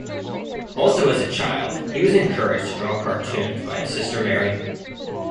Also as a child he was encouraged to draw cartoons by his sister Mary.